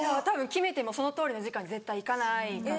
決めてもそのとおりの時間に絶対いかないから。